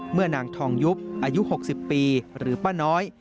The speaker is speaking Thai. นางทองยุบอายุ๖๐ปีหรือป้าน้อย